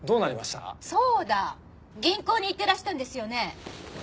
そうだ銀行に行ってらしたんですよね？